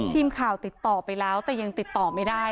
ทีมข่าวติดต่อไปแล้วแต่ยังติดต่อไม่ได้